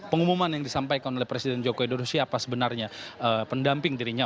pengumuman yang disampaikan oleh presiden joko widodo siapa sebenarnya pendamping dirinya